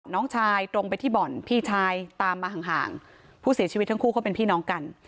น้องชายตรงไปที่บ่อนพี่ชายตามมาห่างห่างผู้เสียชีวิตทั้งคู่เขาเป็นพี่น้องกัน